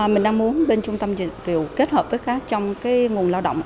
mình đang muốn bên trung tâm dịch vụ kết hợp với các trong nguồn lao động